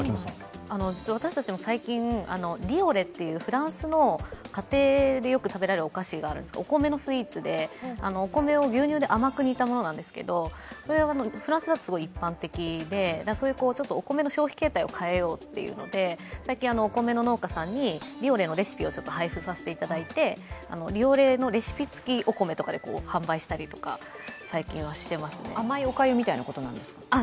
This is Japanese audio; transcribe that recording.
私たちも最近、リオレというフランスの家庭でよく食べられるお菓子があるんですけどお米のスイーツで、お米を牛乳で甘く煮たものなんですがそれはフランスだとすごい一般的でそういうお米の消費形態を変えようということで、最近お米の農家さんにリオレのレシピを配布させていただいて、リオレのレシピ付きお米で販売したりとか、最近はしてますね甘いおかゆみたいなことですか？